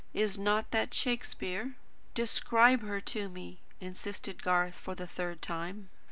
Is not that Shakespeare?" "Describe her to me," insisted Garth, for the third time.